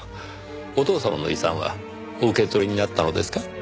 お父様の遺産はお受け取りになったのですか？